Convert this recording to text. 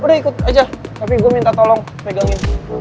udah ikut aja tapi gue minta tolong pegangin